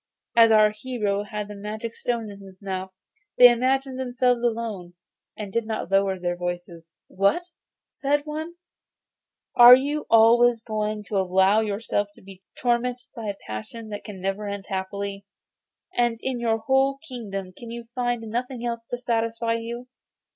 As our hero had the magic stone in his mouth they imagined themselves alone, and did not lower their voices. 'What!' said one, 'are you always going to allow yourself to be tormented by a passion which can never end happily, and in your whole kingdom can you find nothing else to satisfy you?